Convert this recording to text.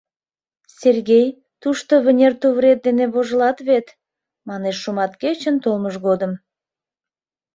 — Сергей, тушто вынер тувырет дене вожылат вет? — манеш шуматкечын толмыж годым.